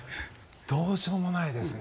どうしようもないですね。